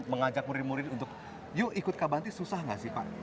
mengajak murid murid untuk yuk ikut kabanti susah nggak sih pak